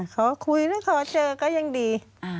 ขอคุยหรือขอเจอก็ยังดี